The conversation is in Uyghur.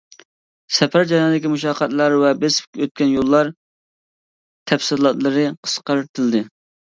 سەپەر جەريانىدىكى مۇشەققەتلەر ۋە بېسىپ ئۆتكەن يوللار تەپسىلاتلىرى قىسقارتىلدى.